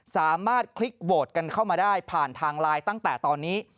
คลิกโหวตกันเข้ามาได้ผ่านทางไลน์ตั้งแต่ตอนนี้